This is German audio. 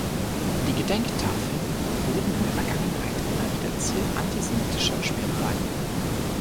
Die Gedenktafeln wurden in der Vergangenheit immer wieder Ziel antisemitischer Schmierereien.